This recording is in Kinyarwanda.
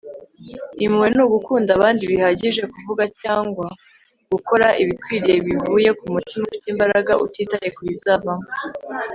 impuhwe ni ugukunda abandi bihagije kuvuga cyangwa gukora ibikwiriye bivuye kumutima ufite imbaraga utitaye kubizavamo. - gary zukav